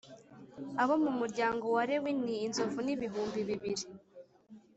Abo mu muryango wa Lewini inzovu n’ibihumbi bibiri.